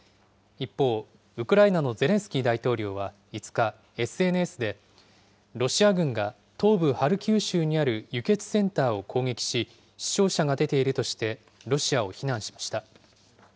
一方、ウクライナのゼレンスキー大統領は５日、ＳＮＳで、ロシア軍が東部ハルキウ州にある輸血センターを攻撃し、死傷者が出ているとして、ロシアを非難しました。